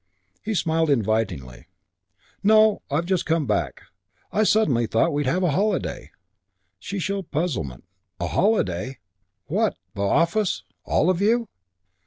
He smiled invitingly. "No, I've just come back. I suddenly thought we'd have a holiday." She showed puzzlement. "A holiday? What, the office? All of you?"